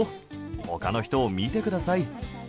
ほかの人を見てください。